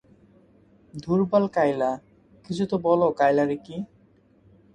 ধুরবাল কাইলা কিছু তো বলো কাইলা রিকি?